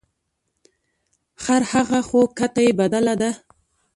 خر هغه خو کته یې بدله ده.